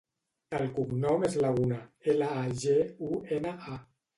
El cognom és Laguna: ela, a, ge, u, ena, a.